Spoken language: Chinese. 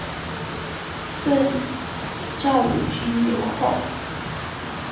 赠昭武军留后。